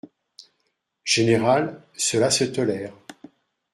Général, cela se tolère.